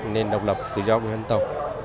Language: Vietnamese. nên độc lập tự do của dân tộc